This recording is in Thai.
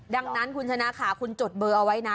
ดังนั้นคุณชนะค่ะคุณจดเบอร์เอาไว้นะ